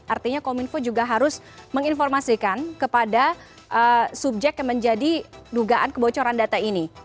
artinya kominfo juga harus menginformasikan kepada subjek yang menjadi dugaan kebocoran data ini